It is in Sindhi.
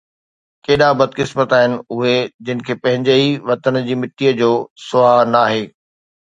ڪيڏا بدقسمت آهن اُهي جن کي پنهنجي ئي وطن جي مٽيءَ جو سُهاءُ ناهي